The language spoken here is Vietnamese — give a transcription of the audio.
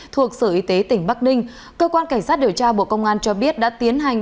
thuộc sở y tế tỉnh bắc ninh cơ quan cảnh sát điều tra bộ công an cho biết đã tiến hành